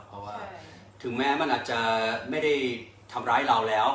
เพราะว่าถึงแม้มันอาจจะไม่ได้ทำร้ายเราแล้ว